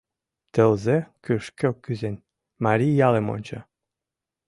Тылзе, кӱшкӧ кӱзен, марий ялым онча.